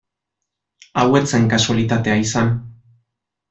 Hau ez zen kasualitatea izan.